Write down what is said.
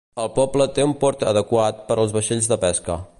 El poble té un port adequat per als vaixells de pesca.